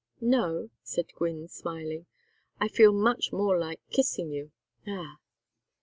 "No," said Gwynne, smiling. "I feel much more like kissing you ah!"